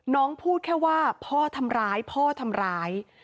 น้องพูดแค่ว่าพ่อทำร้าย